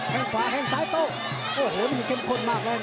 แค่งขวาแข้งซ้ายโต๊ะโอ้โหนี่เข้มข้นมากเลยนะ